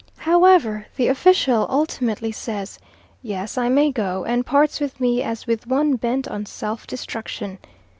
However, the official ultimately says Yes, I may go, and parts with me as with one bent on self destruction.